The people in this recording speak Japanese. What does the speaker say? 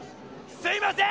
すいません！